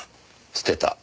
捨てた。